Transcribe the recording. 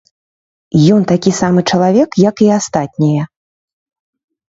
Ён такі самы чалавек, як і астатнія.